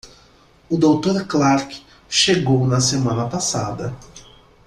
O doutor Clark chegou na semana passada.